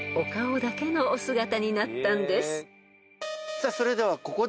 さあそれではここで。